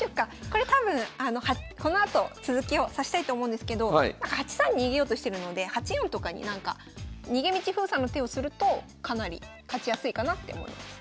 これ多分このあと続きを指したいと思うんですけど８三に逃げようとしてるので８四とかになんか逃げ道封鎖の手をするとかなり勝ちやすいかなって思います。